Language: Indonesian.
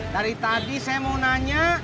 dari tadi saya mau nanya